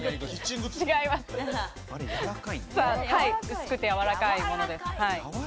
薄くてやわらかいものです。